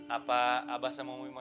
apa abah sama mimosa enterin aja